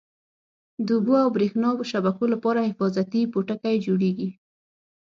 د اوبو او بریښنا شبکو لپاره حفاظتي پوټکی جوړیږي.